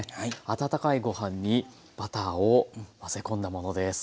温かいご飯にバターを混ぜ込んだものです。